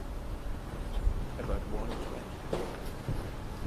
About one in twenty.